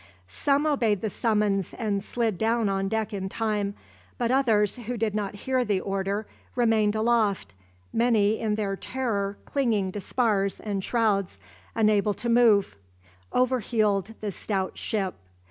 Some obeyed the summons and slid down on deck in time; but others, who did not hear the order, remained aloft, many in their terror clinging to spars and shrouds, unable to move. Over heeled the stout ship.